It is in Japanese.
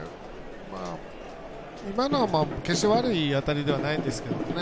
今のは決して悪い当たりではないんですけどね。